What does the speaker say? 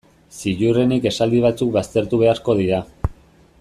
Ziurrenik esaldi batzuk baztertu beharko dira.